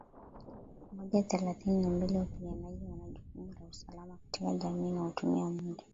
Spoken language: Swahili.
moja thelathini na mbili Wapiganaji wana jukumu la usalama katika jamii na hutumia muda